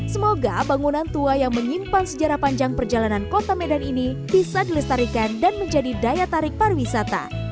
semoga bangunan tua yang menyimpan sejarah panjang perjalanan kota medan ini bisa dilestarikan dan menjadi daya tarik pariwisata